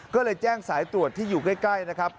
ก็เลยแจ้งสายตรวจที่อยู่ใกล้นะครับ